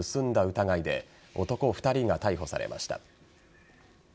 疑いで男２人が逮捕されました。